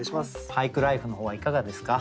俳句ライフの方はいかがですか？